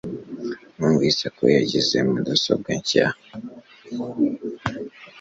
Numvise ko yaguze mudasobwa nshya